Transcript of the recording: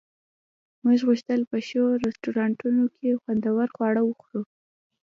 موږ غوښتل په ښو رستورانتونو کې خوندور خواړه وخورو